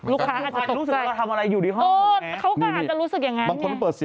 รูปค้างักจะตกใจ